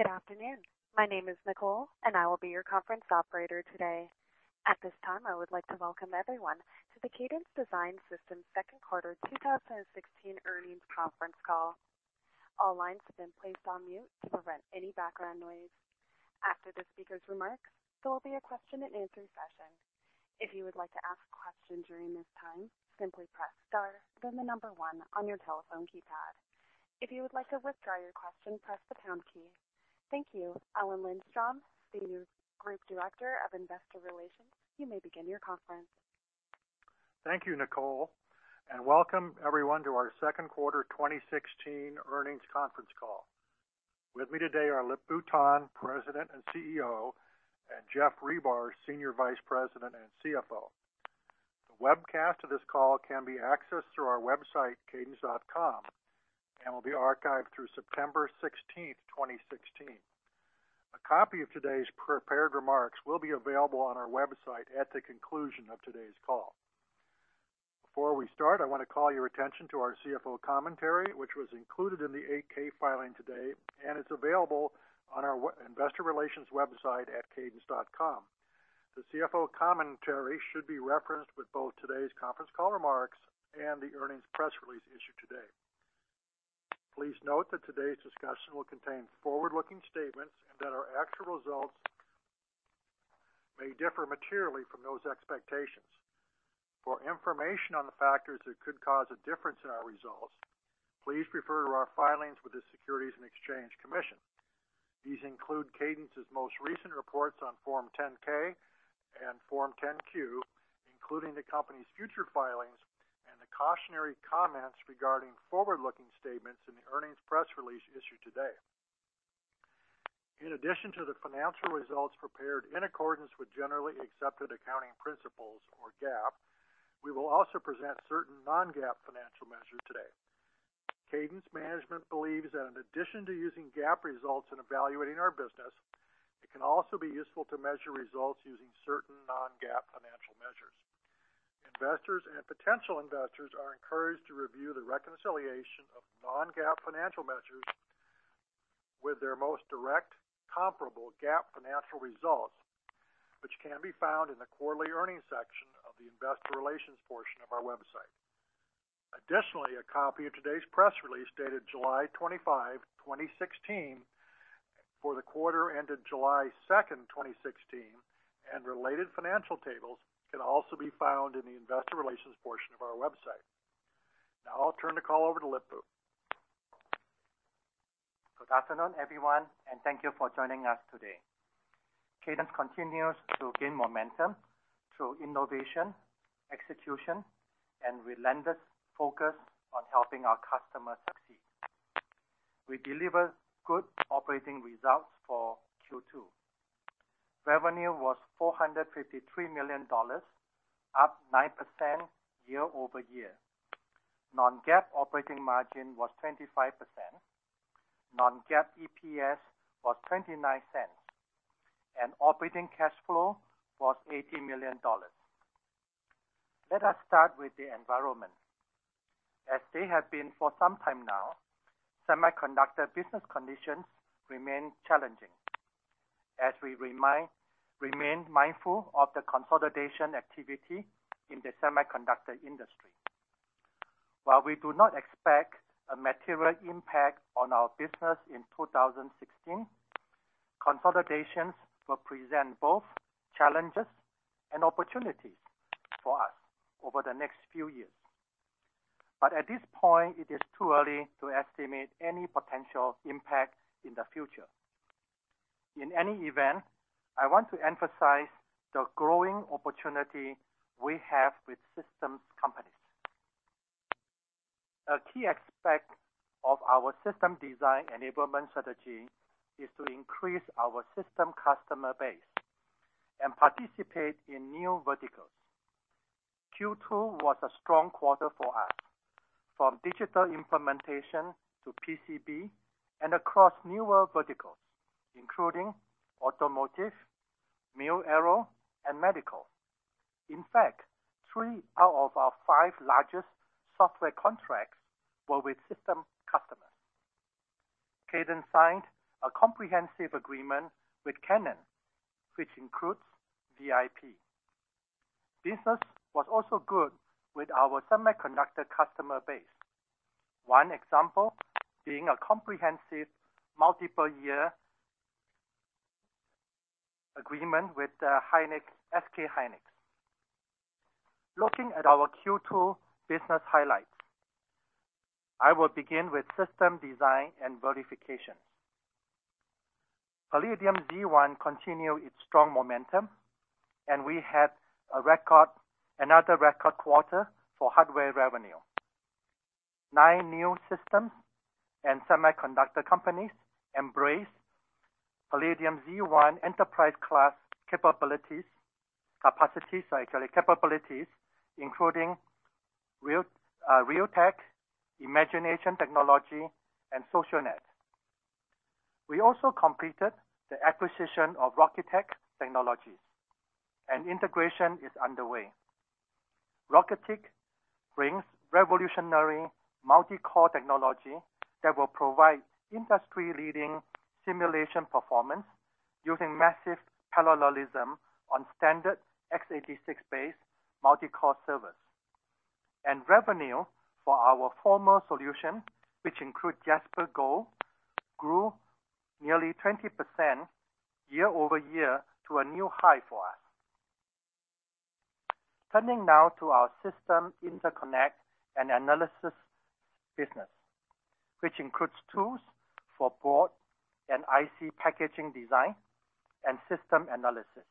Good afternoon. My name is Nicole, and I will be your conference operator today. At this time, I would like to welcome everyone to the Cadence Design Systems second quarter 2016 earnings conference call. All lines have been placed on mute to prevent any background noise. After the speaker's remarks, there will be a question-and-answer session. If you would like to ask a question during this time, simply press star, then the number 1 on your telephone keypad. If you would like to withdraw your question, press the pound key. Thank you. Alan Lindstrom, Senior Group Director of Investor Relations, you may begin your conference. Thank you, Nicole, and welcome everyone to our second quarter 2016 earnings conference call. With me today are Lip-Bu Tan, President and CEO, and Geoff Ribar, Senior Vice President and CFO. The webcast of this call can be accessed through our website, cadence.com, and will be archived through September 16th, 2016. A copy of today's prepared remarks will be available on our website at the conclusion of today's call. Before we start, I want to call your attention to our CFO commentary, which was included in the Form 8-K filing today, and it's available on our investor relations website at cadence.com. The CFO commentary should be referenced with both today's conference call remarks and the earnings press release issued today. Please note that today's discussion will contain forward-looking statements and that our actual results may differ materially from those expectations. For information on the factors that could cause a difference in our results, please refer to our filings with the Securities and Exchange Commission. These include Cadence's most recent reports on Form 10-K and Form 10-Q, including the company's future filings and the cautionary comments regarding forward-looking statements in the earnings press release issued today. In addition to the financial results prepared in accordance with generally accepted accounting principles or GAAP, we will also present certain non-GAAP financial measures today. Cadence management believes that in addition to using GAAP results in evaluating our business, it can also be useful to measure results using certain non-GAAP financial measures. Investors and potential investors are encouraged to review the reconciliation of non-GAAP financial measures with their most direct comparable GAAP financial results, which can be found in the quarterly earnings section of the investor relations portion of our website. Additionally, a copy of today's press release, dated July 25, 2016, for the quarter ended July 2nd, 2016, and related financial tables can also be found in the investor relations portion of our website. Now I'll turn the call over to Lip-Bu. Good afternoon, everyone, and thank you for joining us today. Cadence continues to gain momentum through innovation, execution, and relentless focus on helping our customers succeed. We delivered good operating results for Q2. Revenue was $453 million, up 9% year-over-year. non-GAAP operating margin was 25%, non-GAAP EPS was $0.29, and operating cash flow was $80 million. Let us start with the environment. As they have been for some time now, semiconductor business conditions remain challenging as we remain mindful of the consolidation activity in the semiconductor industry. While we do not expect a material impact on our business in 2016, consolidations will present both challenges and opportunities for us over the next few years. At this point, it is too early to estimate any potential impact in the future. In any event, I want to emphasize the growing opportunity we have with systems companies. A key aspect of our system design enablement strategy is to increase our system customer base and participate in new verticals. Q2 was a strong quarter for us, from digital implementation to PCB and across newer verticals, including automotive, mil-aero, and medical. In fact, three out of our five largest software contracts were with system customers. Cadence signed a comprehensive agreement with Canon, which includes Verification IP. Business was also good with our semiconductor customer base. One example being a comprehensive multiple-year agreement with SK hynix. Looking at our Q2 business highlights, I will begin with system design and verification. Palladium Z1 continued its strong momentum, and we had another record quarter for hardware revenue. Nine new systems and semiconductor companies embrace Palladium Z1 enterprise class capabilities, including Realtek, Imagination Technologies, and Socionext. We also completed the acquisition of Rocketick Technologies, integration is underway. Rocketick brings revolutionary multi-core technology that will provide industry-leading simulation performance using massive parallelism on standard x86-based multi-core servers. Revenue for our formal solution, which include JasperGold, grew nearly 20% year-over-year to a new high for us. Turning now to our system interconnect and analysis business, which includes tools for board and IC packaging design and system analysis.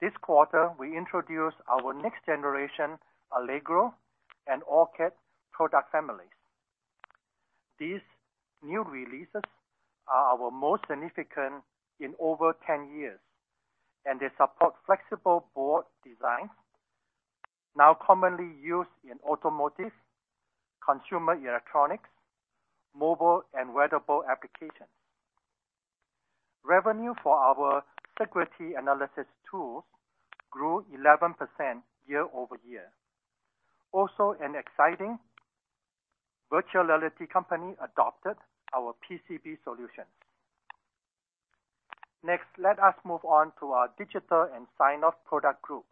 This quarter, we introduced our next generation Allegro and OrCAD product families. These new releases are our most significant in over 10 years, and they support flexible board designs now commonly used in automotive, consumer electronics, mobile, and wearable applications. Revenue for our Sigrity analysis tools grew 11% year-over-year. Also, an exciting VR company adopted our PCB solutions. Next, let us move on to our digital and sign-off product group.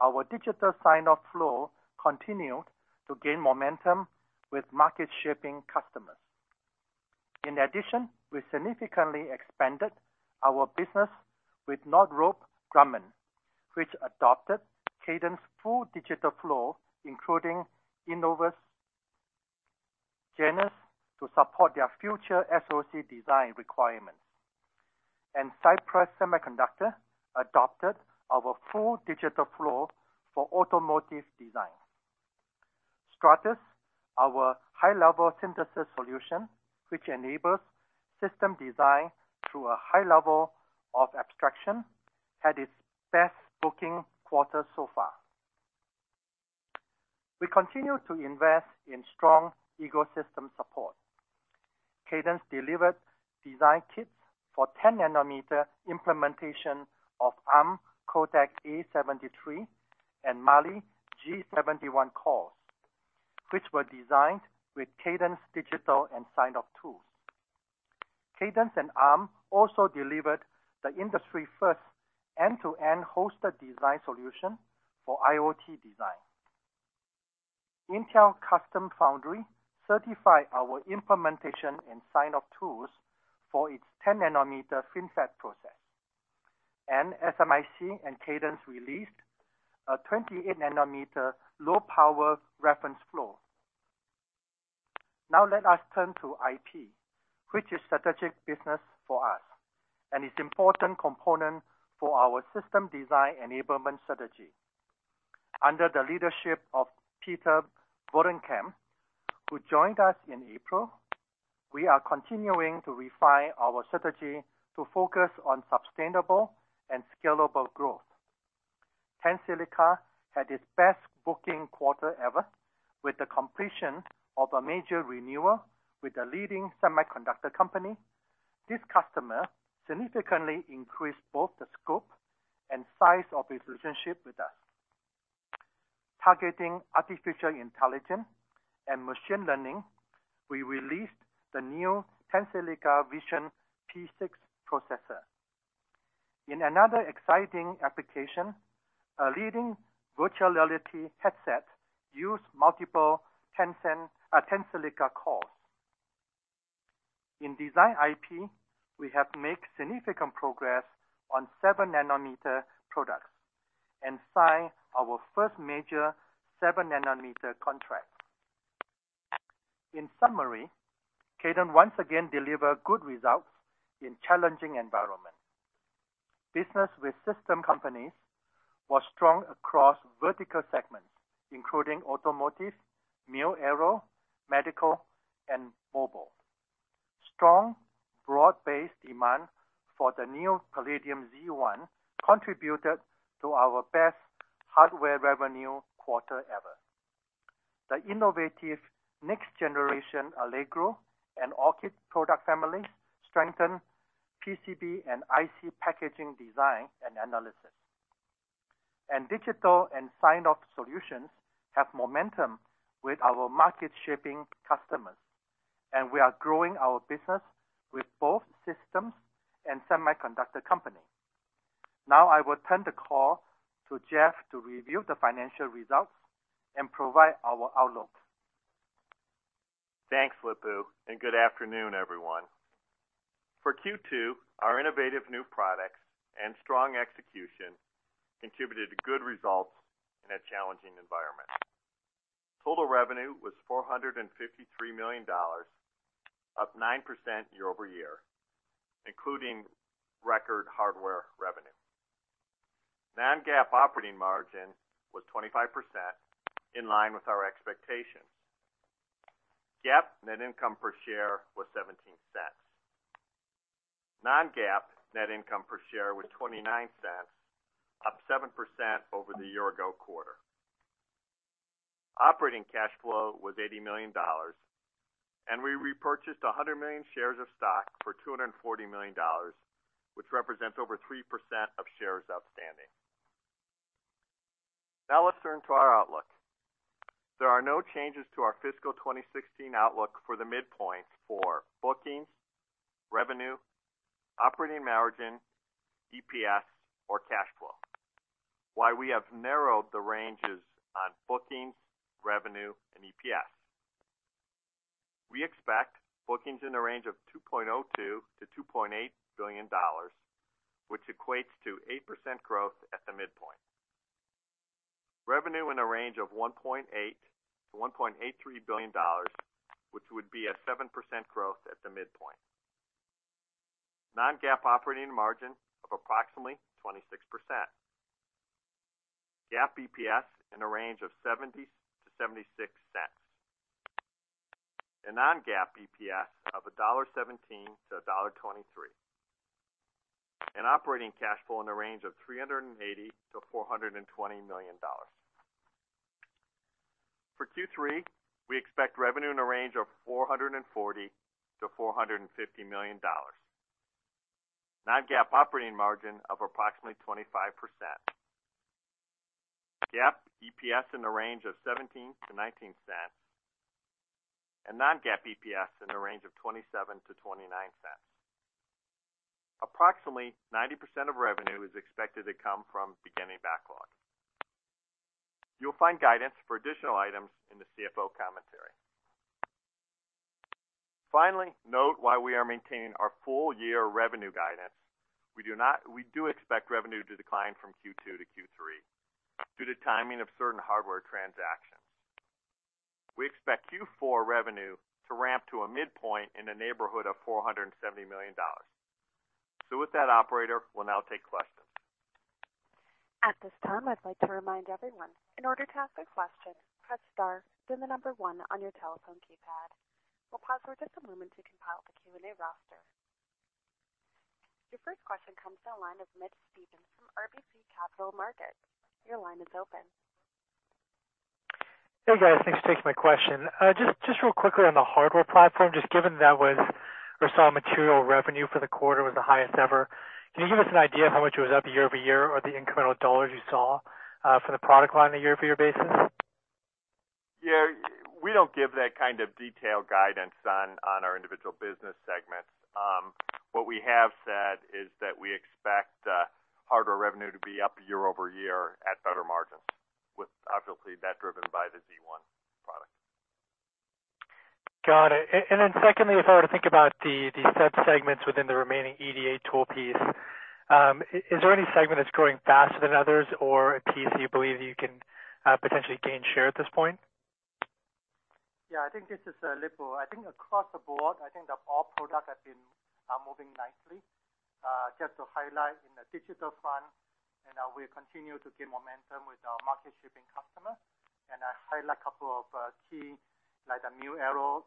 Our digital sign-off flow continued to gain momentum with market-shaping customers. In addition, we significantly expanded our business with Northrop Grumman, which adopted Cadence full digital flow, including Innovus Genus, to support their future SoC design requirements. Cypress Semiconductor adopted our full digital flow for automotive design. Stratus, our high-level synthesis solution, which enables system design through a high level of abstraction, had its best booking quarter so far. We continue to invest in strong ecosystem support. Cadence delivered design kits for 10-nanometer implementation of Arm Cortex-A73 and Mali-G71 cores, which were designed with Cadence digital and sign-off tools. Cadence and Arm also delivered the industry first end-to-end hosted design solution for IoT design. Intel Custom Foundry certified our implementation and sign-off tools for its 10-nanometer FinFET process, SMIC and Cadence released a 28-nanometer low-power reference flow. Let us turn to IP, which is strategic business for us and is important component for our system design enablement strategy. Under the leadership of Peter Bollenkamp, who joined us in April, we are continuing to refine our strategy to focus on sustainable and scalable growth. Tensilica had its best booking quarter ever with the completion of a major renewal with a leading semiconductor company. This customer significantly increased both the scope and size of his relationship with us. Targeting artificial intelligence and machine learning, we released the new Tensilica Vision P6 processor. In another exciting application, a leading virtual reality headset used multiple Tensilica cores. In design IP, we have made significant progress on seven-nanometer products and signed our first major seven-nanometer contract. In summary, Cadence once again delivered good results in challenging environment. Business with system companies was strong across vertical segments, including automotive, mil-aero, medical, and mobile. Strong, broad-based demand for the new Palladium Z1 contributed to our best hardware revenue quarter ever. The innovative next generation Allegro and OrCAD product families strengthen PCB and IC packaging design and analysis. Digital and sign-off solutions have momentum with our market-shaping customers, and we are growing our business with both systems and semiconductor company. I will turn the call to Geoff to review the financial results and provide our outlook. Thanks, Lip-Bu, and good afternoon, everyone. For Q2, our innovative new products and strong execution contributed to good results in a challenging environment. Total revenue was $453 million, up 9% year-over-year, including record hardware revenue. Non-GAAP operating margin was 25%, in line with our expectations. GAAP net income per share was $0.17. Non-GAAP net income per share was $0.29, up 7% over the year-ago quarter. Operating cash flow was $80 million, and we repurchased 10 million shares of stock for $240 million, which represents over 3% of shares outstanding. Let's turn to our outlook. There are no changes to our fiscal 2016 outlook for the midpoint for bookings, revenue, operating margin, EPS, or cash flow. Why we have narrowed the ranges on bookings, revenue, and EPS. We expect bookings in the range of $2.02 billion-$2.08 billion, which equates to 8% growth at the midpoint. Revenue in a range of $1.8 billion-$1.83 billion, which would be a 7% growth at the midpoint. Non-GAAP operating margin of approximately 26%. GAAP EPS in the range of $0.70-$0.76. Non-GAAP EPS of $1.17 to $1.23. Operating cash flow in the range of $380 million-$420 million. For Q3, we expect revenue in a range of $440 million-$450 million. Non-GAAP operating margin of approximately 25%. GAAP EPS in the range of $0.17-$0.19, and non-GAAP EPS in the range of $0.27-$0.29. Approximately 90% of revenue is expected to come from beginning backlog. You'll find guidance for additional items in the CFO Commentary. Finally, note while we are maintaining our full year revenue guidance, we do expect revenue to decline from Q2 to Q3 due to timing of certain hardware transactions. We expect Q4 revenue to ramp to a midpoint in the neighborhood of $470 million. With that operator, we'll now take questions. At this time, I'd like to remind everyone, in order to ask a question, press star, then the number 1 on your telephone keypad. We'll pause for just a moment to compile the Q&A roster. Your first question comes to the line of Mitch Steves from RBC Capital Markets. Your line is open. Hey, guys. Thanks for taking my question. Just real quickly on the hardware platform, just given that we saw material revenue for the quarter was the highest ever, can you give us an idea of how much it was up year-over-year or the incremental dollars you saw for the product line on a year-over-year basis? Yeah. We don't give that kind of detailed guidance on our individual business segments. What we have said is that we expect hardware revenue to be up year-over-year at better margins, with obviously that driven by the Z1 product. Got it. Secondly, if I were to think about the sub-segments within the remaining EDA tool piece, is there any segment that's growing faster than others or a piece that you believe you can potentially gain share at this point? Yeah, I think this is Lip-Bu. I think across the board, I think that all product have been moving nicely. Just to highlight in the digital front, we continue to gain momentum with our market shipping customer. I highlight a couple of key like the new aero,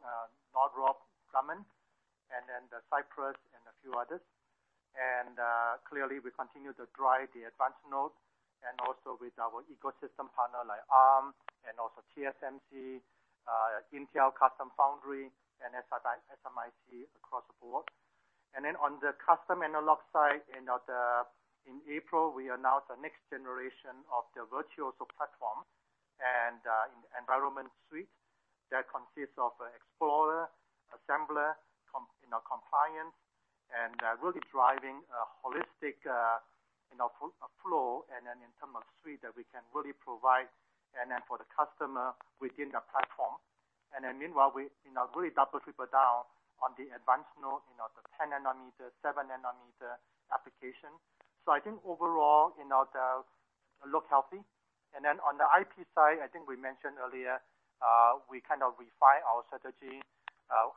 Northrop Grumman, Cypress and a few others. Clearly we continue to drive the advanced node with our ecosystem partner like Arm, TSMC, Intel Custom Foundry, and SMIC across the board. On the custom analog side in April, we announced the next generation of the Virtuoso platform and environment suite that consists of Explorer, Assembler, Compliance, really driving a holistic flow in terms of suite that we can really provide for the customer within the platform. Meanwhile, we really double triple down on the advanced node, the 10 nanometer, 7 nanometer application. I think overall, they look healthy. On the IP side, I think we mentioned earlier, we kind of refine our strategy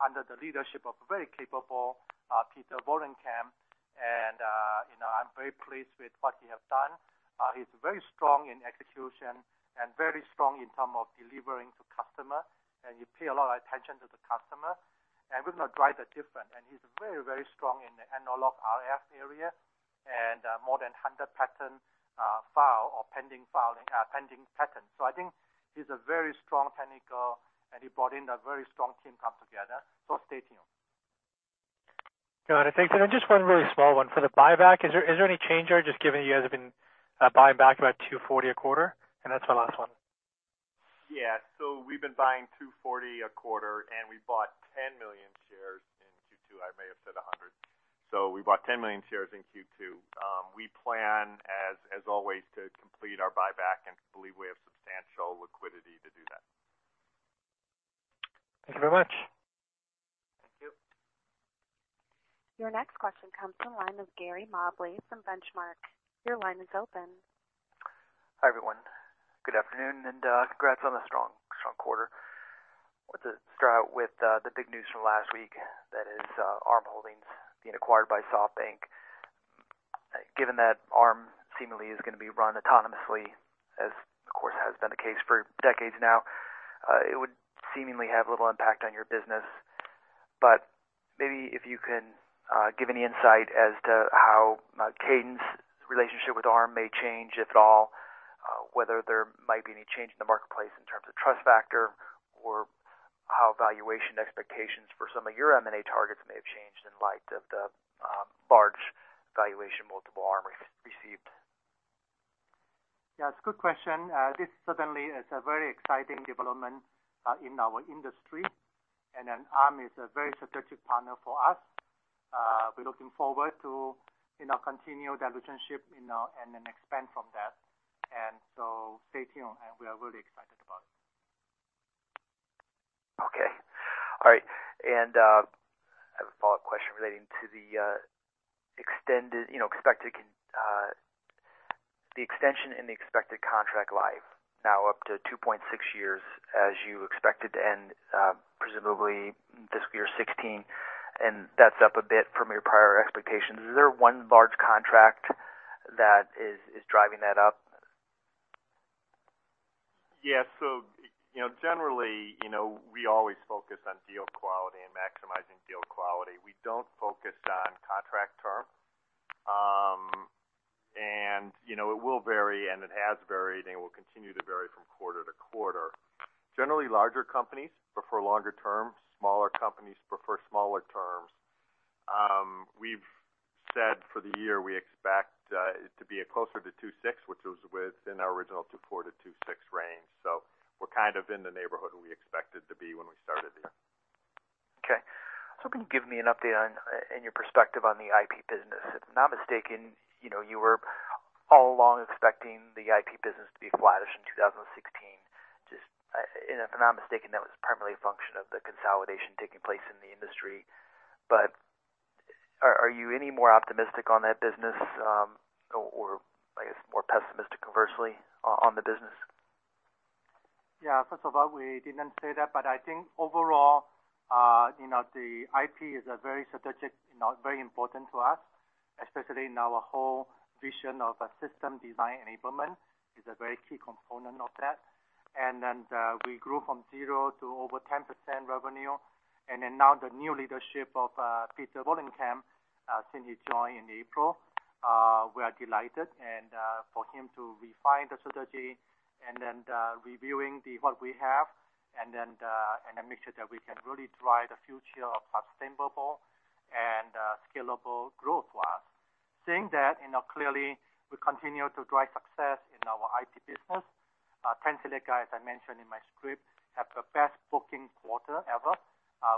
under the leadership of very capable Peter Bollenkamp. I'm very pleased with what he has done. He's very strong in execution and very strong in terms of delivering to customer. He pay a lot of attention to the customer. We're going to drive the different. He's very strong in the analog RF area and more than 100 patent filings or pending patents. I think he's a very strong technical, and he brought in a very strong team come together. Stay tuned. Got it. Thanks. Just one really small one. For the buyback, is there any change there just given you guys have been buying back about $240 a quarter? That's my last one. Yeah. We've been buying $240 a quarter, and we bought 10 million shares in Q2. I may have said 100. We bought 10 million shares in Q2. We plan as always to complete our buyback, and I believe we have substantial liquidity to do that. Thank you very much. Thank you. Your next question comes from the line of Gary Mobley from Benchmark. Your line is open. Hi, everyone. Good afternoon, congrats on the strong quarter. Wanted to start out with the big news from last week, that is Arm Holdings being acquired by SoftBank. Given that Arm seemingly is going to be run autonomously, as of course has been the case for decades now, it would seemingly have little impact on your business. Maybe if you can give any insight as to how Cadence relationship with Arm may change, if at all. Whether there might be any change in the marketplace in terms of trust factor, or how valuation expectations for some of your M&A targets may have changed in light of the large valuation multiple Arm received. Yes, good question. This certainly is a very exciting development in our industry, Arm is a very strategic partner for us. We're looking forward to continue that relationship and then expand from that. Stay tuned, we are really excited about it. Okay. All right. I have a follow-up question relating to the extension in the expected contract life, now up to 2.6 years, as you expected to end, presumably this year, 2016, and that's up a bit from your prior expectations. Is there one large contract that is driving that up? Yes. Generally, we always focus on deal quality and maximizing deal quality. We don't focus on contract term. It will vary, and it has varied, and it will continue to vary from quarter to quarter. Generally, larger companies prefer longer terms. Smaller companies prefer smaller terms. We've said for the year we expect it to be closer to 2.6, which is within our original 2.4-2.6 range. We're kind of in the neighborhood we expected to be when we started this. Okay. Can you give me an update on, and your perspective on the IP business? If I'm not mistaken, you were all along expecting the IP business to be flattish in 2016. If I'm not mistaken, that was primarily a function of the consolidation taking place in the industry. Are you any more optimistic on that business, or I guess, more pessimistic, conversely, on the business? Yeah. First of all, we didn't say that. I think overall, the IP is very strategic, very important to us, especially now our whole vision of a system design enablement is a very key component of that. We grew from zero to over 10% revenue. Now the new leadership of Peter Bollenkamp, since he joined in April. We are delighted for him to refine the strategy, reviewing what we have, make sure that we can really drive the future of sustainable and scalable growth for us. Saying that, clearly, we continue to drive success in our IP business. Tensilica, as I mentioned in my script, have the best booking quarter ever,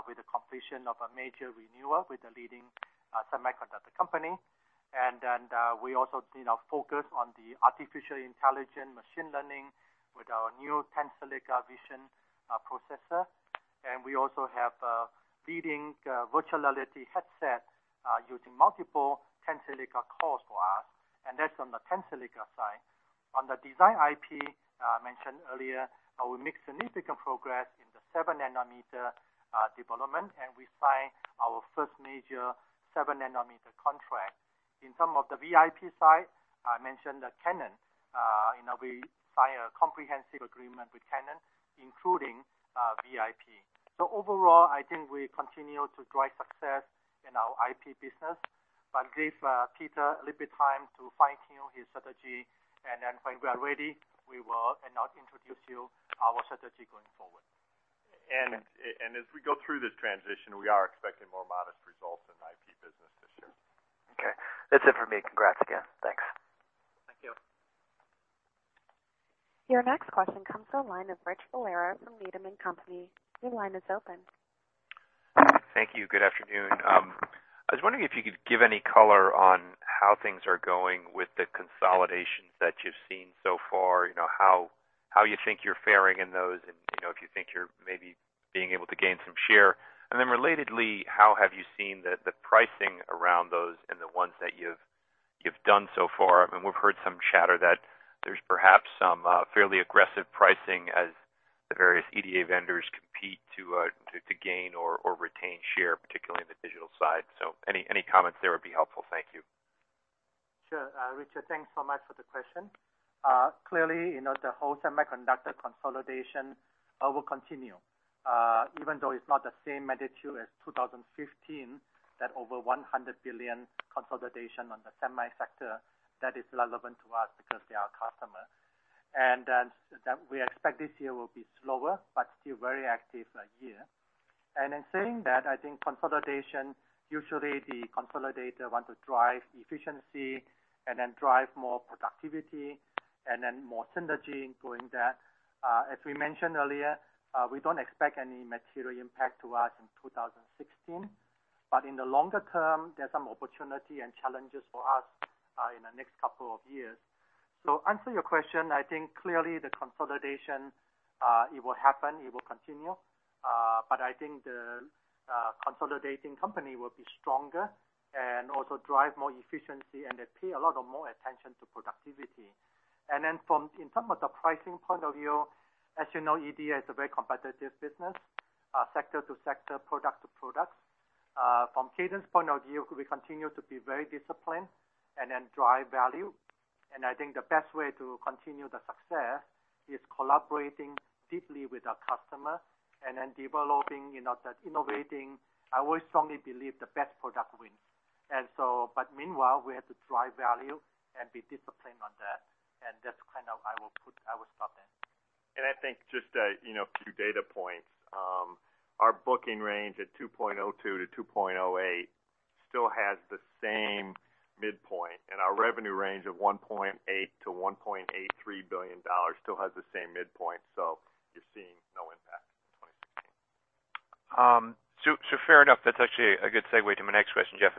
with the completion of a major renewal with a leading semiconductor company. We also focus on the artificial intelligence machine learning with our new Tensilica Vision processor. We also have a leading virtual reality headset using multiple Tensilica cores for us, and that's on the Tensilica side. On the design IP, I mentioned earlier, we make significant progress in the seven nanometer development, and we signed our first major seven-nanometer contract. In some of the VIP side, I mentioned that Canon. We signed a comprehensive agreement with Canon, including VIP. Overall, I think I continue to drive success in our IP business. Give Peter a little bit time to fine-tune his strategy. When we are ready, we will introduce you our strategy going forward. As we go through this transition, we are expecting more modest results in the IP business this year. Okay. That's it for me. Congrats again. Thanks. Thank you. Your next question comes from the line of Richard Valera from Needham & Company. Your line is open. Thank you. Good afternoon. I was wondering if you could give any color on how things are going with the consolidations that you've seen so far. How you think you're faring in those, and if you think you're maybe being able to gain some share. Relatedly, how have you seen the pricing around those and the ones that you've done so far? I mean, we've heard some chatter that there's perhaps some fairly aggressive pricing as the various EDA vendors compete to gain or retain share, particularly in the digital side. Any comments there would be helpful. Thank you. Sure. Rich, thanks so much for the question. Clearly, the whole semiconductor consolidation will continue. Even though it's not the same magnitude as 2015, that over $100 billion consolidation on the semi sector, that is relevant to us because they are customers. We expect this year will be slower but still very active year. I think consolidation, usually the consolidator want to drive efficiency and then drive more productivity and then more synergy in doing that. As we mentioned earlier, we don't expect any material impact to us in 2016. In the longer term, there's some opportunity and challenges for us in the next couple of years. I think clearly the consolidation, it will happen, it will continue. I think the consolidating company will be stronger and also drive more efficiency, and they pay a lot of more attention to productivity. In terms of the pricing point of view, as you know, EDA is a very competitive business, sector to sector, product to product. From Cadence point of view, we continue to be very disciplined and then drive value. I think the best way to continue the success is collaborating deeply with our customer and then developing that innovating. I always strongly believe the best product wins. Meanwhile, we have to drive value and be disciplined on that. That's kind of I will stop there. I think just a few data points. Our booking range at $2.02-$2.08 still has the same midpoint, and our revenue range of $1.8 billion-$1.83 billion still has the same midpoint. You're seeing no impact in 2016. Fair enough. That's actually a good segue to my next question, Geoff.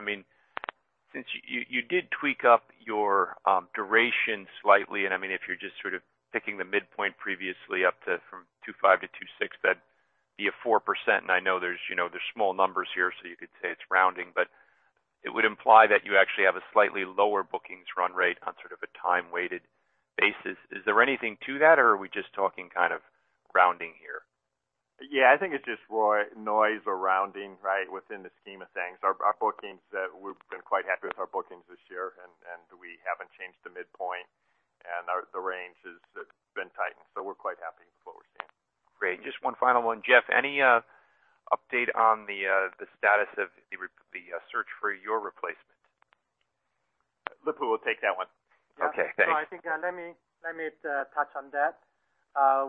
Since you did tweak up your duration slightly, and if you're just sort of picking the midpoint previously up to from 2.5-2.6, that'd be a 4%. I know there's small numbers here, so you could say it's rounding, but it would imply that you actually have a slightly lower bookings run rate on sort of a time-weighted basis. Is there anything to that, or are we just talking kind of rounding here? Yeah, I think it's just noise or rounding, right, within the scheme of things. We've been quite happy with our bookings this year, and we haven't changed the midpoint, and the range has been tightened. We're quite happy with what we're seeing. Great. Just one final one, Geoff. Any update on the status of the search for your replacement? Lip-Bu will take that one. Okay, thanks. No, I think let me touch on that.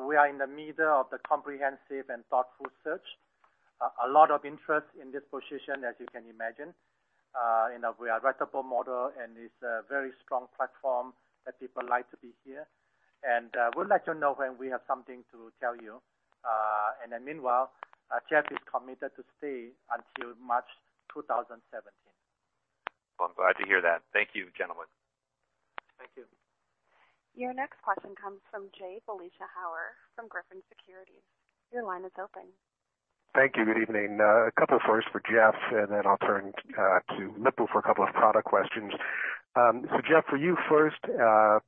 We are in the middle of the comprehensive and thoughtful search. A lot of interest in this position, as you can imagine. We are a reputable model, and it's a very strong platform that people like to be here. We'll let you know when we have something to tell you. Meanwhile, Geoff is committed to stay until March 2017. Well, I'm glad to hear that. Thank you, gentlemen. Thank you. Your next question comes from Jay Vleeschhouwer from Griffin Securities. Your line is open. Thank you. Good evening. A couple first for Geoff, then I'll turn to Lip-Bu for a couple of product questions. Geoff, for you first, a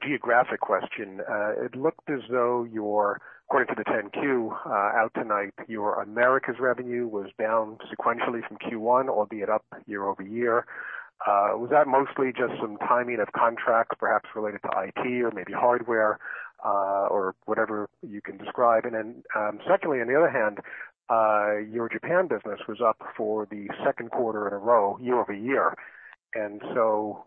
geographic question. It looked as though your, according to the 10-Q out tonight, your Americas revenue was down sequentially from Q1, albeit up year-over-year. Was that mostly just some timing of contracts, perhaps related to IT or maybe hardware, or whatever you can describe? Secondly, on the other hand, your Japan business was up for the 2nd quarter in a row, year-over-year.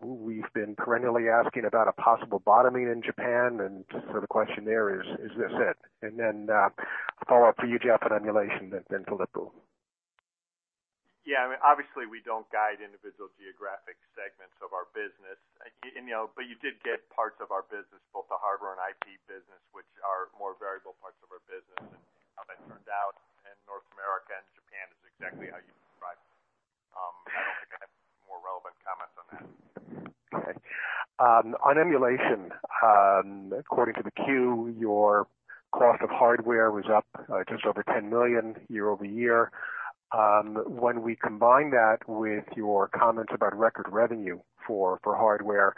We've been perennially asking about a possible bottoming in Japan, and so the question there is this it? A follow-up for you, Geoff, on emulation, then to Lip-Bu. Yeah. Obviously, we don't guide individual geographic segments of our business. You did get parts of our business, both the hardware and IT business, which are more variable parts of our business, and how that turned out in North America and Japan is exactly how you described. I don't think I have more relevant comments on that. Okay. On emulation, according to the Q, your cost of hardware was up just over $10 million year-over-year. When we combine that with your comments about record revenue for hardware,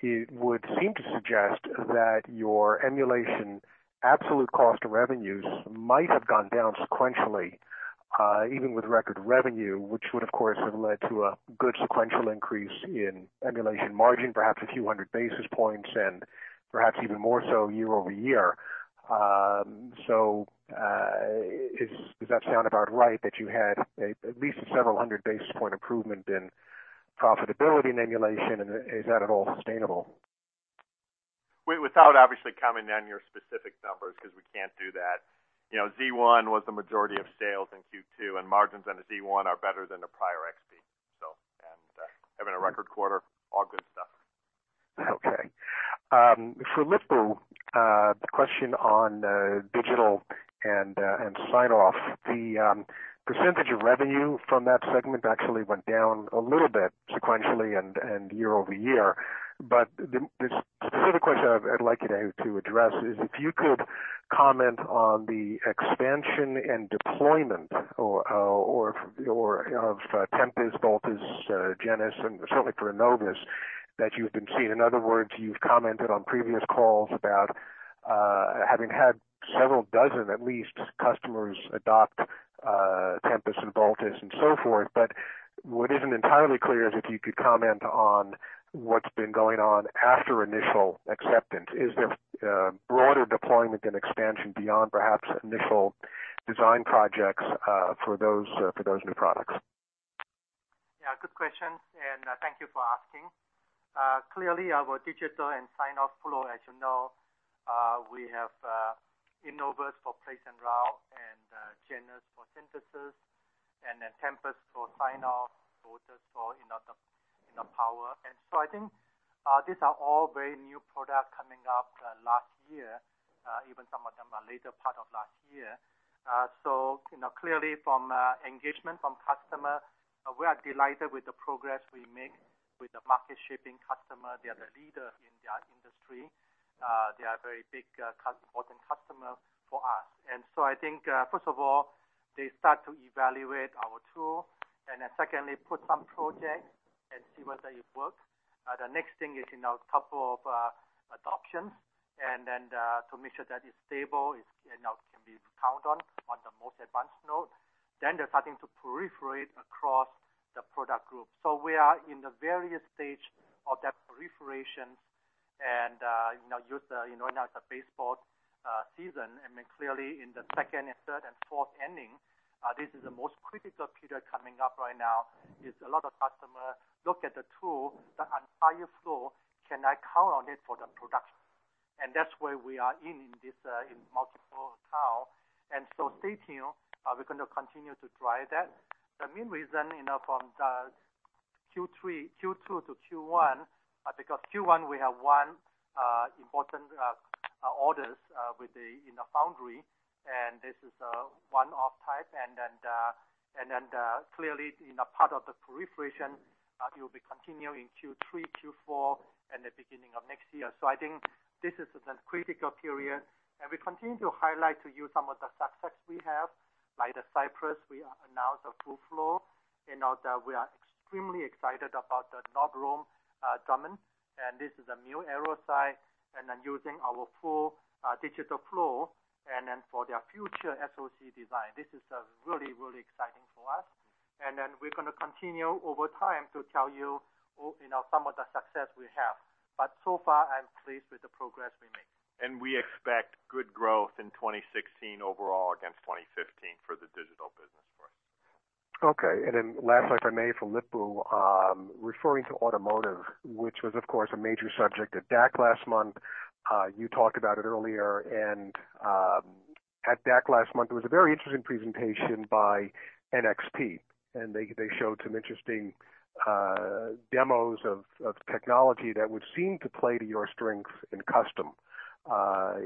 it would seem to suggest that your emulation absolute cost of revenues might have gone down sequentially, even with record revenue, which would, of course, have led to a good sequential increase in emulation margin, perhaps a few hundred basis points and perhaps even more so year-over-year. Does that sound about right that you had at least a several hundred basis point improvement in profitability in emulation, and is that at all sustainable? Without obviously commenting on your specific numbers, because we can't do that. Z1 was the majority of sales in Q2, and margins on a Z1 are better than the prior XP. Having a record quarter, all good stuff. Okay. For Lip-Bu, the question on digital and sign-off. The percentage of revenue from that segment actually went down a little bit sequentially and year-over-year. The specific question I'd like you to address is if you could comment on the expansion and deployment of Tempus, Voltus, Genus, and certainly for Innovus that you've been seeing. In other words, you've commented on previous calls about having had several dozen, at least, customers adopt Tempus and Voltus and so forth. What isn't entirely clear is if you could comment on what's been going on after initial acceptance. Is there broader deployment and expansion beyond perhaps initial design projects for those new products? Good question, and thank you for asking. Clearly, our digital and sign-off flow, as you know, we have Innovus for place and route, Genus for synthesis, Tempus for sign-off, Voltus for power. I think these are all very new products coming up last year, even some of them are later part of last year. Clearly from engagement from customer, we are delighted with the progress we make with the market-shaping customer. They are the leader in their industry. They are a very big important customer for us. I think first of all, they start to evaluate our tool, and then secondly, put some projects. See whether it works. The next thing is a couple of adoptions, and then to make sure that it's stable, it can be counted on the most advanced node. They're starting to proliferate across the product group. We are in the various stage of that proliferation and use the baseball season, and then clearly in the second, third, and fourth inning, this is the most critical period coming up right now, is a lot of customers look at the tool, the entire flow, can I count on it for the production? That's where we are in this, in multiple accounts. Stay tuned. We're going to continue to drive that. The main reason, from the Q2 to Q1, because Q1, we have one important order in the foundry, and this is a one-off type, and then clearly in a part of the proliferation, it will be continuing Q3, Q4, and the beginning of next year. I think this is a critical period, and we continue to highlight to you some of the success we have, like Cypress. We announced a full flow and that we are extremely excited about Northrop Grumman, and this is a new aero site, using our full digital flow, for their future SoC design. This is really exciting for us. We're going to continue over time to tell you some of the success we have. So far, I'm pleased with the progress we make. We expect good growth in 2016 overall against 2015 for the digital business for us. Okay, last, if I may, for Lip-Bu, referring to automotive, which was, of course, a major subject at DAC last month. You talked about it earlier, at DAC last month, there was a very interesting presentation by NXP, they showed some interesting demos of technology that would seem to play to your strengths in custom,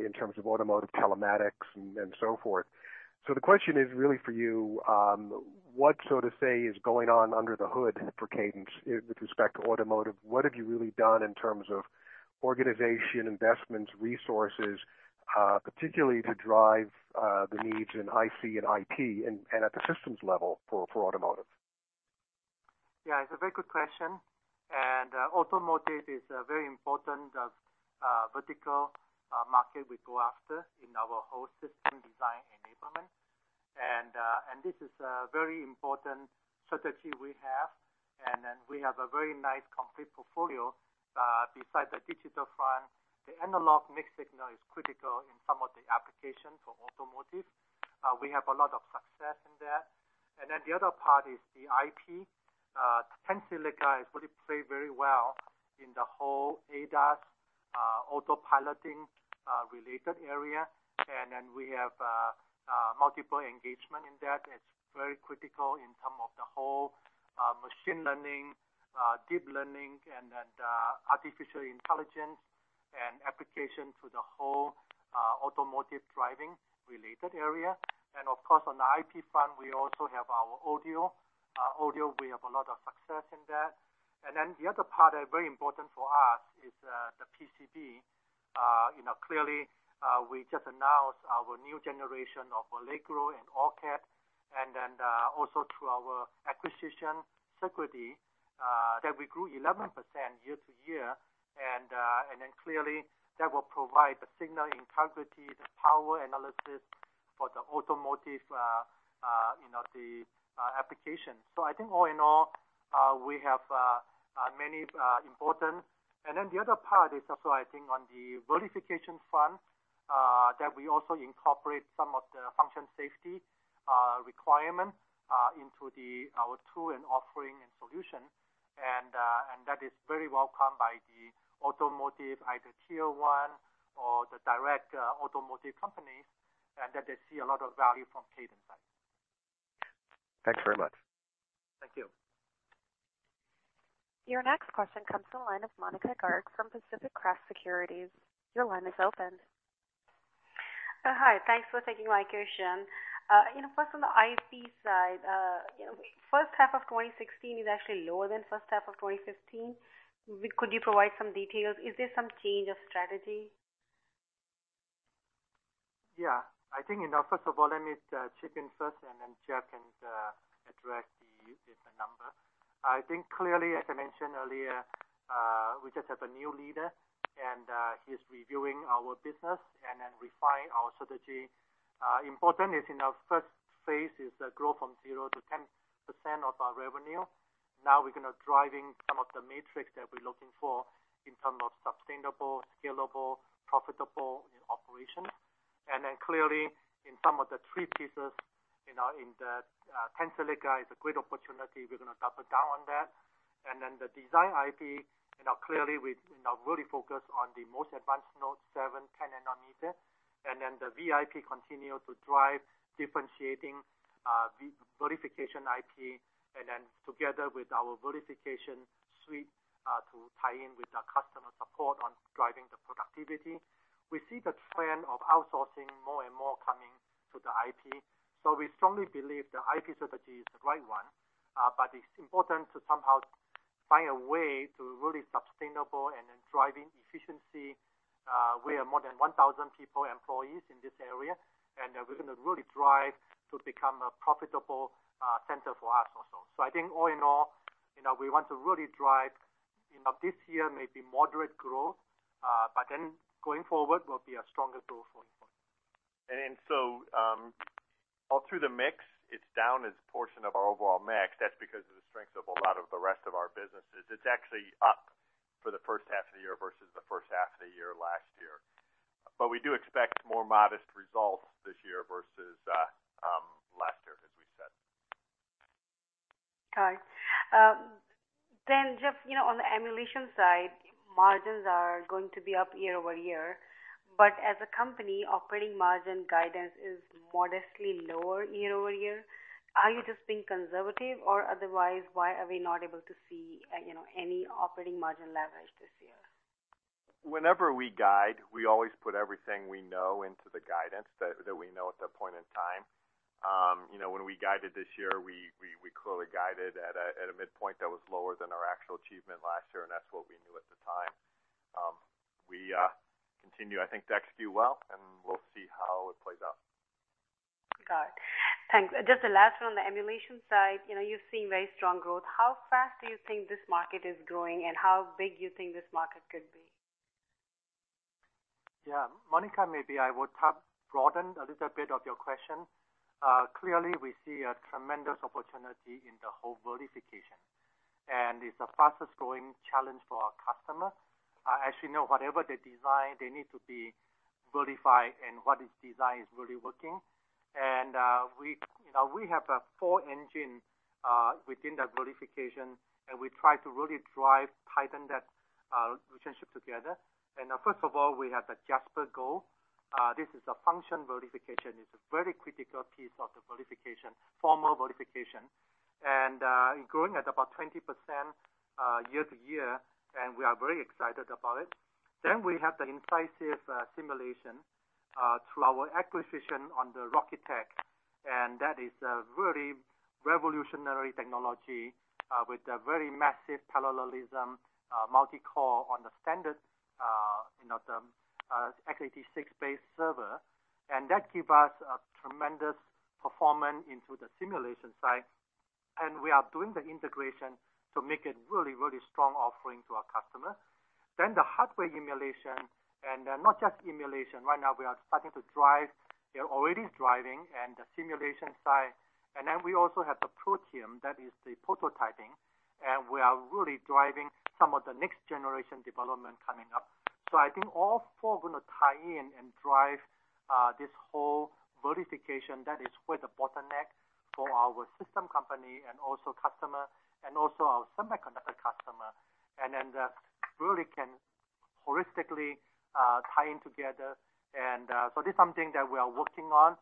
in terms of automotive telematics and so forth. The question is really for you, what, so to say, is going on under the hood for Cadence with respect to automotive? What have you really done in terms of organization, investments, resources, particularly to drive the needs in IC and IP and at the systems level for automotive? Yeah, it's a very good question. Automotive is a very important vertical market we go after in our whole system design enablement. This is a very important strategy we have. Then we have a very nice complete portfolio. Besides the digital front, the analog mixed signal is critical in some of the applications for automotive. We have a lot of success in that. Then the other part is the IP. Tensilica is really played very well in the whole ADAS autopiloting-related area, then we have multiple engagement in that. It's very critical in terms of the whole machine learning, deep learning, the artificial intelligence and application to the whole automotive driving-related area. Of course, on the IP front, we also have our audio. Audio, we have a lot of success in that. Then the other part that very important for us is the PCB. Clearly, we just announced our new generation of Allegro and OrCAD, also through our acquisition, Sigrity, that we grew 11% year-to-year, clearly that will provide the signal integrity, the power analysis for the automotive applications. I think all in all, we have many important. Then the other part is also, I think, on the verification front, that we also incorporate some of the functional safety requirement into our tool and offering and solution, that is very welcome by the automotive, either tier 1 or the direct automotive companies, that they see a lot of value from Cadence side. Thanks very much. Thank you. Your next question comes to the line of Monika Garg from Pacific Crest Securities. Your line is open. Hi. Thanks for taking my question. First, on the IC side, first half of 2016 is actually lower than first half of 2015. Could you provide some details? Is there some change of strategy? Yeah. I think, first of all, let me chip in first, and then Geoff can address the number. I think clearly, as I mentioned earlier, we just have a new leader, and he is reviewing our business and then refine our strategy. Important is in our first phase is grow from 0-10% of our revenue. Now we're going to driving some of the metrics that we're looking for in terms of sustainable, scalable, profitable operations. Clearly, in some of the three pieces, in the Tensilica is a great opportunity. We're going to double down on that. The design IP, clearly, we really focus on the most advanced node 7, 10 nanometer, and then the VIP continue to drive differentiating Verification IP, and then together with our verification suite to tie in with the customer support on driving the productivity. We see the trend of outsourcing more and more coming to the IP. We strongly believe the IP strategy is the right one, but it's important to somehow find a way really sustainable and then driving efficiency. We are more than 1,000 people, employees in this area, and we're going to really drive to become a profitable center for us also. I think all in all, we want to really drive, this year maybe moderate growth, but then going forward will be a stronger growth going forward. All through the mix, it's down as a portion of our overall mix. That's because of the strength of a lot of the rest of our businesses. It's actually up for the first half of the year versus the first half of the year last year. We do expect more modest results this year versus last year, as we said. Got it. Geoff, on the emulation side, margins are going to be up year-over-year, but as a company, operating margin guidance is modestly lower year-over-year. Are you just being conservative or otherwise why are we not able to see any operating margin leverage this year? Whenever we guide, we always put everything we know into the guidance that we know at that point in time. When we guided this year, we clearly guided at a midpoint that was lower than our actual achievement last year. That's what we knew at the time. We continue, I think, to execute well. We'll see how it plays out. Got it. Thanks. Just the last one on the emulation side, you're seeing very strong growth. How fast do you think this market is growing and how big do you think this market could be? Monika, maybe I would broaden a little bit of your question. Clearly, we see a tremendous opportunity in the whole verification. It's the fastest-growing challenge for our customer. As you know, whatever they design, they need to be verified and what is designed is really working. We have a four engine within that verification. We try to really drive, tighten that relationship together. First of all, we have the JasperGold. This is a function verification. It's a very critical piece of the verification, formal verification, and growing at about 20% year to year, and we are very excited about it. We have the Incisive simulation through our acquisition on the Rocketick, and that is a really revolutionary technology with a very massive parallelism, multi-core on the standard, the x86-based server. That give us a tremendous performance into the simulation side, and we are doing the integration to make it really, really strong offering to our customer. The hardware emulation, not just emulation. Right now, we are starting to drive, we are already driving in the simulation side. We also have the Protium, that is the prototyping, and we are really driving some of the next generation development coming up. I think all four are going to tie in and drive this whole verification that is with the bottleneck for our system company and also customer and also our semiconductor customer. That really can holistically tie in together. This is something that we are working on,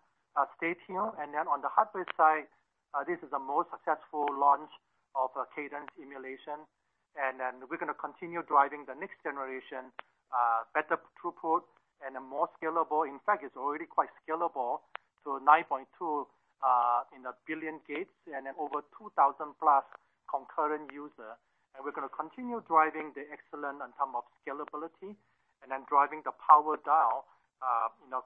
stay tuned. On the hardware side, this is the most successful launch of Cadence emulation. We're going to continue driving the next generation, better throughput and a more scalable. In fact, it's already quite scalable to 9.2 in a billion gates and then over 2,000 plus concurrent user. We're going to continue driving the excellence in term of scalability and then driving the power dial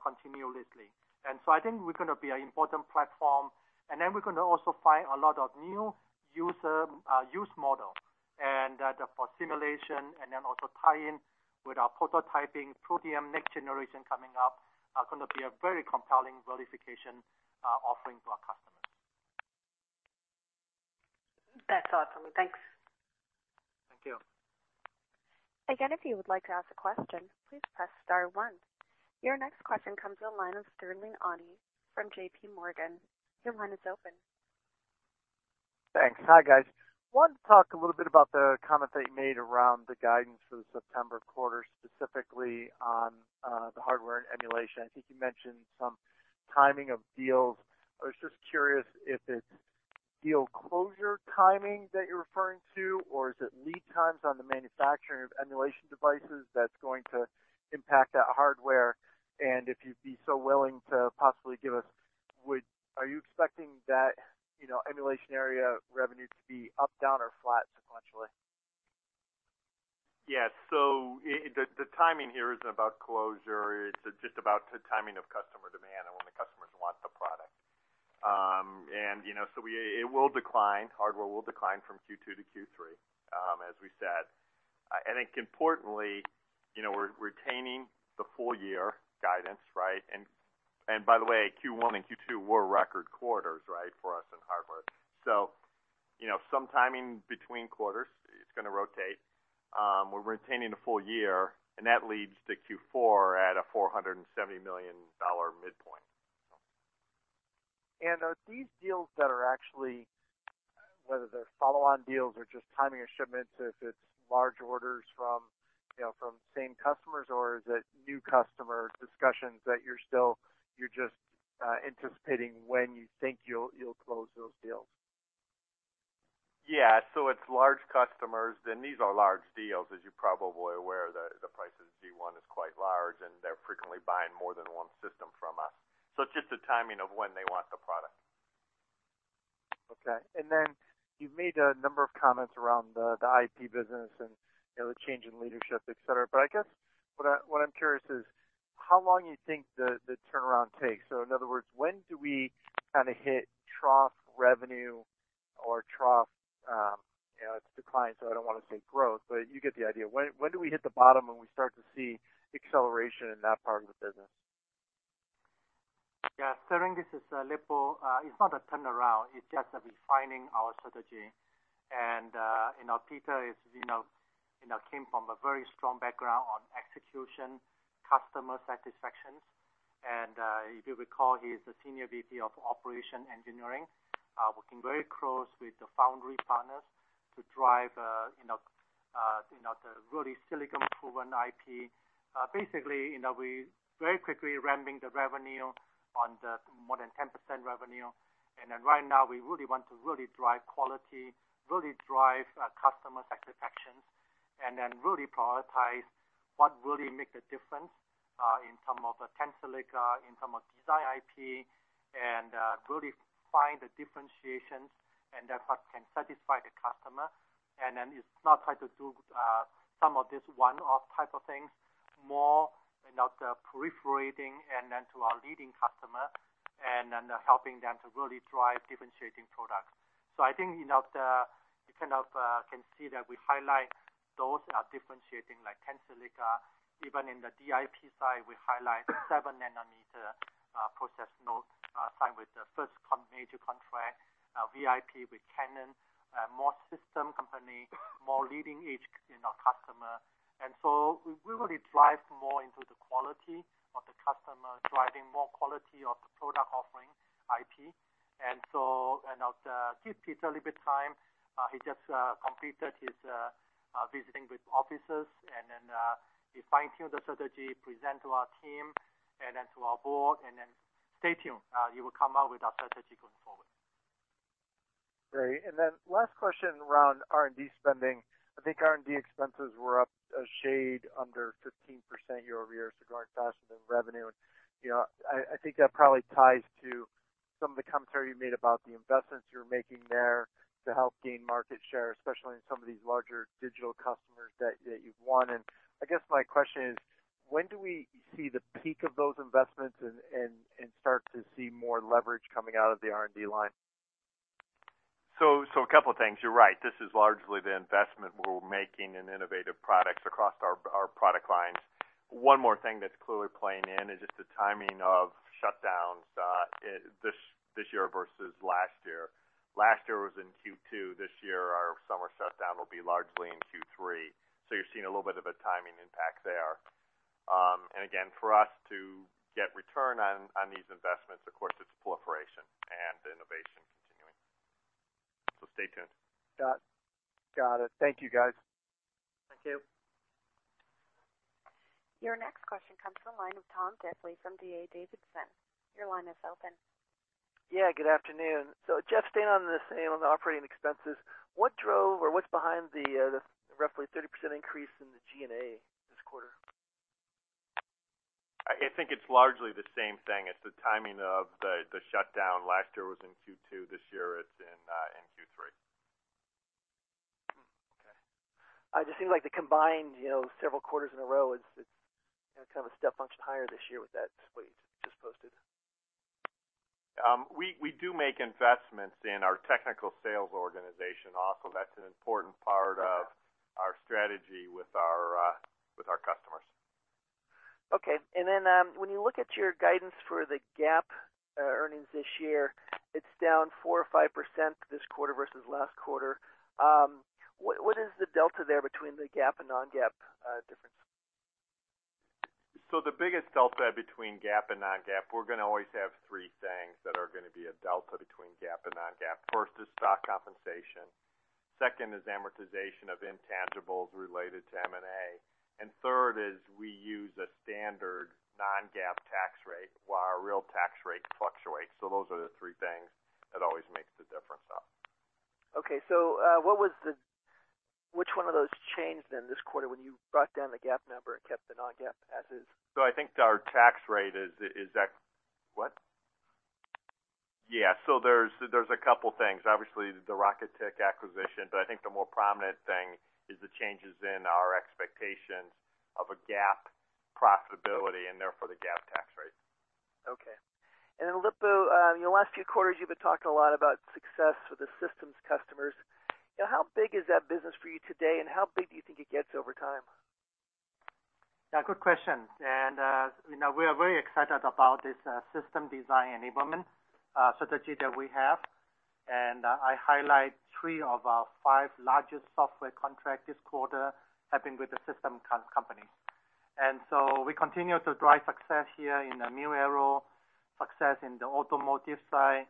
continuously. I think we're going to be an important platform, and then we're going to also find a lot of new use model and for simulation and then also tie in with our prototyping Protium next generation coming up, are going to be a very compelling verification offering to our customers. That's awesome. Thanks. Thank you. Again, if you would like to ask a question, please press star one. Your next question comes on the line of Sterling Auty from JPMorgan. Your line is open. Thanks. Hi, guys. Wanted to talk a little bit about the comment that you made around the guidance for the September quarter, specifically on the hardware and emulation. I think you mentioned some timing of deals. I was just curious if it's deal closure timing that you're referring to, or is it lead times on the manufacturing of emulation devices that's going to impact that hardware? If you'd be so willing to possibly give us, are you expecting that emulation area revenue to be up, down, or flat sequentially? Yeah. The timing here isn't about closure, it's just about the timing of customer demand and when the customers want the product. It will decline, hardware will decline from Q2 to Q3, as we said. I think importantly, we're retaining the full year guidance, right? By the way, Q1 and Q2 were record quarters, right, for us in hardware. Some timing between quarters, it's going to rotate. We're retaining the full year, and that leads to Q4 at a $470 million midpoint. Are these deals that are actually, whether they're follow-on deals or just timing of shipments, if it's large orders from same customers, or is it new customer discussions that you're just anticipating when you think you'll close those deals? Yeah. It's large customers, and these are large deals, as you're probably aware, the price of Z1 is quite large, and they're frequently buying more than one system from us. It's just a timing of when they want the product. Okay. You've made a number of comments around the IP business and the change in leadership, et cetera. I guess what I'm curious is, how long you think the turnaround takes? In other words, when do we kind of hit trough revenue or its decline, so I don't want to say growth, but you get the idea. When do we hit the bottom and we start to see acceleration in that part of the business? Yeah. Sterling, this is Lip-Bu. It's not a turnaround, it's just refining our strategy. Peter came from a very strong background on execution, customer satisfactions. If you recall, he is the Senior Vice President of operation engineering, working very close with the foundry partners to drive the really silicon-proven IP. Basically, we're very quickly ramping the revenue on the more than 10% revenue. Right now we really want to really drive quality, really drive customer satisfaction, and then really prioritize what really makes a difference in terms of Tensilica, in terms of design IP, and really find the differentiations and then what can satisfy the customer. It's not try to do some of this one-off type of things, more the proliferating and then to our leading customer, and then helping them to really drive differentiating products. I think you kind of can see that we highlight those differentiating like Tensilica, even in the DIP side, we highlight seven nanometer process node signed with the first major contract, VIP with Canon, more system company, more leading-edge customer. We really drive more into the quality of the customer, driving more quality of the product offering IP. Give Peter a little bit time. He just completed his visiting with officers and then he fine-tune the strategy, present to our team and then to our board. Stay tuned. He will come out with our strategy going forward. Great. Last question around R&D spending. I think R&D expenses were up a shade under 15% year-over-year, growing faster than revenue. I think that probably ties to some of the commentary you made about the investments you're making there to help gain market share, especially in some of these larger digital customers that you've won. I guess my question is, when do we see the peak of those investments and start to see more leverage coming out of the R&D line? A couple of things. You're right, this is largely the investment we're making in innovative products across our product lines. One more thing that's clearly playing in is just the timing of shutdowns this year versus last year. Last year was in Q2. This year, our summer shutdown will be largely in Q3. You're seeing a little bit of a timing impact there. Again, for us to get return on these investments, of course, it's proliferation and innovation continuing. Stay tuned. Got it. Thank you, guys. Thank you. Your next question comes from the line of Tom Diffely from D.A. Davidson. Your line is open. Good afternoon. Geoff, staying on the same, on the operating expenses, what drove or what's behind the roughly 30% increase in the G&A this quarter? I think it's largely the same thing. It's the timing of the shutdown. Last year was in Q2. This year it's in Q3. Okay. It just seems like the combined several quarters in a row, it's kind of a step function higher this year with that, what you just posted. We do make investments in our technical sales organization also. That's an important part of our strategy with our customers. Okay. Then when you look at your guidance for the GAAP earnings this year, it's down 4% or 5% this quarter versus last quarter. What is the delta there between the GAAP and non-GAAP difference? The biggest delta between GAAP and non-GAAP, we're going to always have three things that are going to be a delta between GAAP and non-GAAP. First is stock compensation, second is amortization of intangibles related to M&A, and third is we use a standard non-GAAP tax rate while our real tax rate fluctuates. Those are the three things that always makes the difference up. Okay. Which one of those changed then this quarter when you brought down the GAAP number and kept the non-GAAP as is? I think our tax rate what? Yeah, there's a couple things. Obviously, the Rocketick acquisition, but I think the more prominent thing is the changes in our expectations of a GAAP profitability and therefore the GAAP tax rate. Okay. Lip-Bu, in the last few quarters, you've been talking a lot about success with the systems customers. How big is that business for you today, and how big do you think it gets over time? Yeah, good question. We are very excited about this system design enablement strategy that we have. I highlight three of our five largest software contracts this quarter have been with the system company. We continue to drive success here in the new era, success in the automotive side,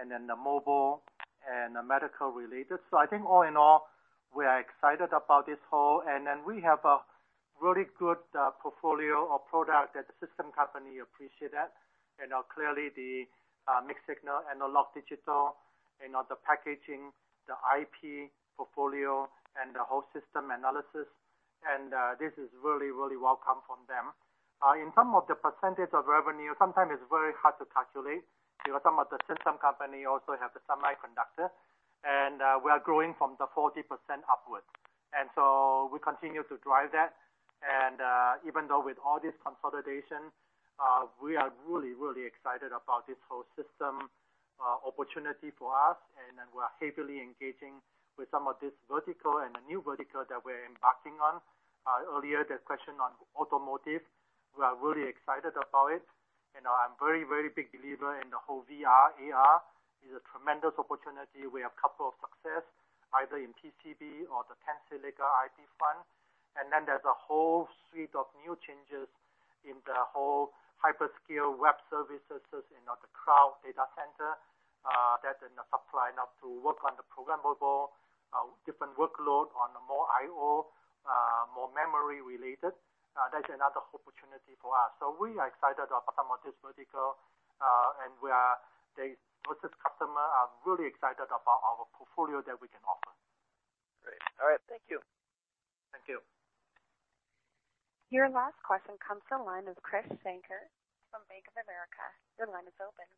and then the mobile and medical related. I think all in all, we are excited about this whole, and then we have a really good portfolio of products that the system company appreciate that. Clearly the mixed signal analog digital and the packaging, the IP portfolio and the whole system analysis. This is really well come from them. In some of the percentage of revenue, sometimes it's very hard to calculate because some of the system company also have the semiconductor, and we are growing from the 40% upwards. We continue to drive that. Even though with all this consolidation, we are really excited about this whole system opportunity for us, and then we are heavily engaging with some of this vertical and the new vertical that we're embarking on. Earlier, the question on automotive, we are really excited about it, and I'm very big believer in the whole VR, AR. It's a tremendous opportunity. We have couple of successes, either in PCB or the Tensilica IP front. There's a whole suite of new changes in the whole hyperscale web services in the cloud data center. That and the shift now to work on the programmable, different workload on more IO, more memory related. That's another opportunity for us. We are excited about some of this vertical, and the closest customers are really excited about our portfolio that we can offer. Great. All right. Thank you. Thank you. Your last question comes from the line of Krish Sankar from Bank of America. Your line is open.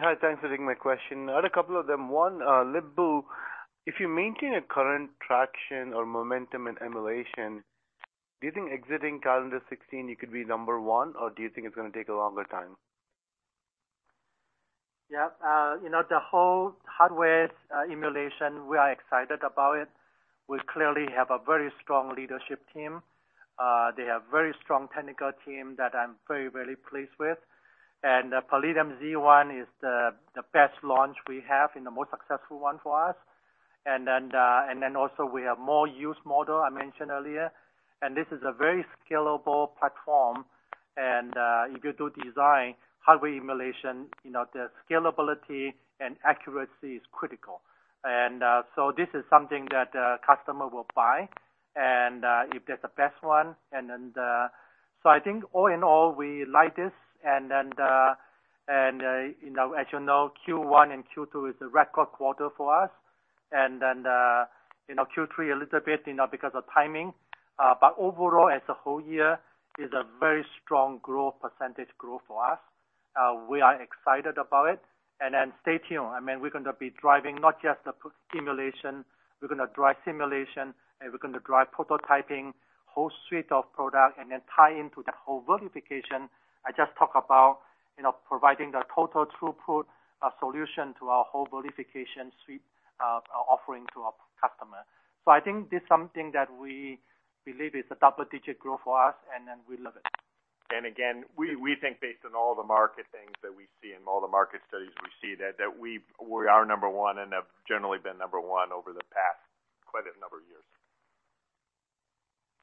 Hi, thanks for taking my question. I had a couple of them. One, Lip-Bu, if you maintain a current traction or momentum in emulation, do you think exiting calendar 2016, you could be number one, or do you think it's going to take a longer time? The whole hardware emulation, we are excited about it. We clearly have a very strong leadership team. They have very strong technical team that I'm very pleased with. The Palladium Z1 is the best launch we have and the most successful one for us. Also we have more use model, I mentioned earlier. This is a very scalable platform. If you do design hardware emulation, the scalability and accuracy is critical. This is something that customer will buy, and if that's the best one. I think all in all, we like this. As you know, Q1 and Q2 is a record quarter for us. Q3 a little bit, because of timing. Overall, as a whole year, is a very strong growth percentage growth for us. We are excited about it. Stay tuned. I mean, we're going to be driving not just the emulation. We're going to drive simulation, and we're going to drive prototyping, whole suite of product, and then tie into the whole verification I just talked about, providing the total throughput solution to our whole verification suite offering to our customer. I think this is something that we believe is a double-digit growth for us, we love it. Again, we think based on all the market things that we see and all the market studies we see, that we are number 1 and have generally been number 1 over the past quite a number of years.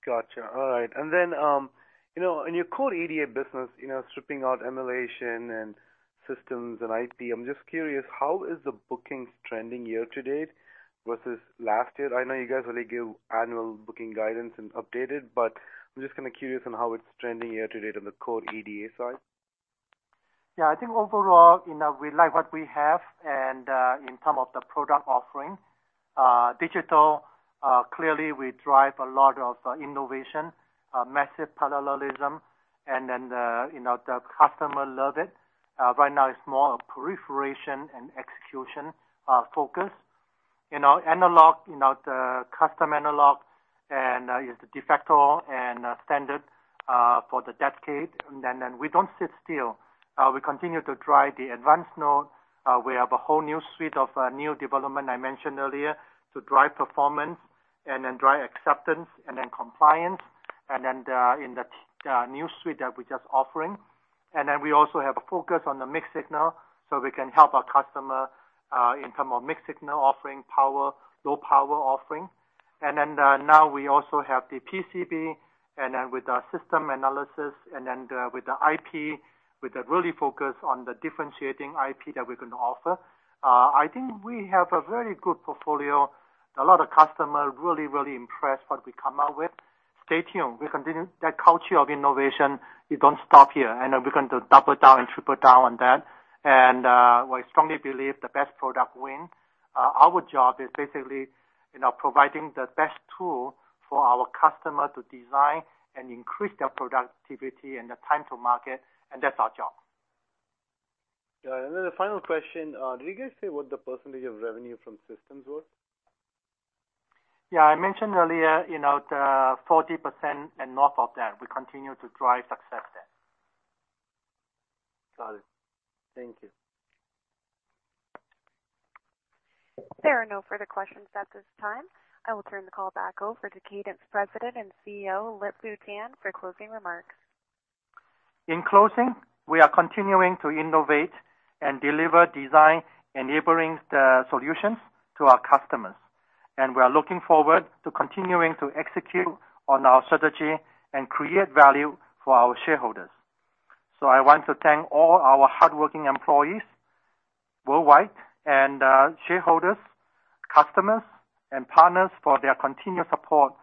Got you. All right. In your core EDA business, stripping out emulation and systems and IP, I'm just curious, how is the bookings trending year-to-date versus last year? I know you guys only give annual booking guidance and update it, but I'm just kind of curious on how it's trending year-to-date on the core EDA side. Yeah, I think overall, we like what we have and in terms of the product offering. Digital, clearly we drive a lot of innovation, massive parallelism, the customer love it. Right now, it's more a proliferation and execution focus. Analog, the custom analog and is the de facto and standard for the decade. We don't sit still. We continue to drive the advanced node. We have a whole new suite of new development I mentioned earlier to drive performance and then drive acceptance and then compliance, and then in the new suite that we're just offering. We also have a focus on the mixed signal, so we can help our customer in terms of mixed signal offering power, low power offering. Now we also have the PCB, with our system analysis, with the IP, with a really focus on the differentiating IP that we're going to offer. I think we have a very good portfolio. A lot of customer really impressed what we come out with. Stay tuned. We continue that culture of innovation. We don't stop here. We're going to double down and triple down on that. We strongly believe the best product win. Our job is basically providing the best tool for our customer to design and increase their productivity and the time to market, and that's our job. Yeah. The final question, did you guys say what the percentage of revenue from systems was? Yeah, I mentioned earlier, the 40% and north of that. We continue to drive success there. Got it. Thank you. There are no further questions at this time. I will turn the call back over to Cadence President and CEO, Lip-Bu Tan for closing remarks. In closing, we are continuing to innovate and deliver design enabling the solutions to our customers, and we are looking forward to continuing to execute on our strategy and create value for our shareholders. I want to thank all our hardworking employees worldwide and shareholders, customers, and partners for their continued support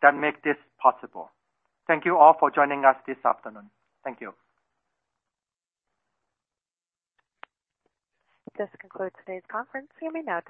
that make this possible. Thank you all for joining us this afternoon. Thank you. This concludes today's conference. You may now disconnect.